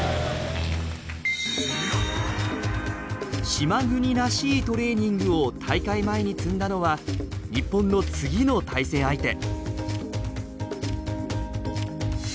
島国らしいトレーニングを大会前に積んだのは日本の次の対戦相手。